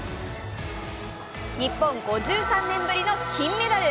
日本、５３年ぶりの金メダル。